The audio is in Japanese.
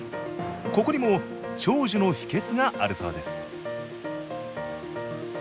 ここにも長寿の秘けつがあるそうです